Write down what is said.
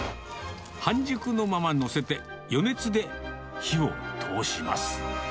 半熟のまま載せて、余熱で火を通します。